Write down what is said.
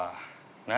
何？